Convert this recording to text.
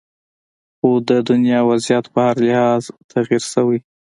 خو د دنیا وضعیت په هر لحاظ تغیر شوې